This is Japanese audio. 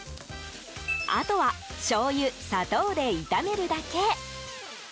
あとはしょうゆ、砂糖で炒めるだけ。